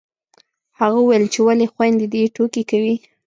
هغه وويل چې ولې خویندې دې ټوکې کوي